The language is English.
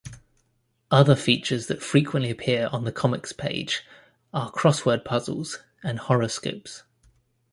Other features that frequently appear on the comics page are crossword puzzles and horoscopes.